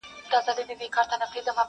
یار اخیستی همېشه د ښکلو ناز دی,